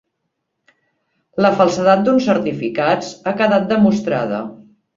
La falsedat d'uns certificats ha quedat demostrada.